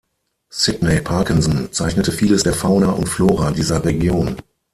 Sydney Parkinson zeichnete vieles der Fauna und Flora dieser Region.